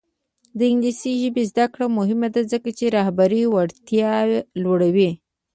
د انګلیسي ژبې زده کړه مهمه ده ځکه چې رهبري وړتیا لوړوي.